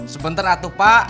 sebentar atuh pak